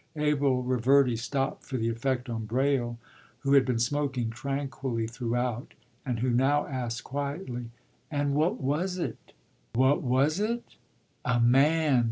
” Abel Reverdy stopped for the effect on Braile, who had been smoking tranquilly throughout, and who now asked quietly, “And what was it?” “What was it? A man!